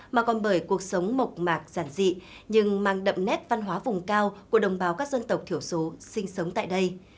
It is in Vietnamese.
mà còn bởi cuộc sống mộc mạc giản dị nhưng mang đậm nét văn hóa vùng cao của đồng bào các dân tộc thiểu số sinh sống tại đây